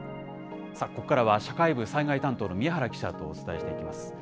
ここからは社会部災害担当の宮原記者とお伝えしていきます。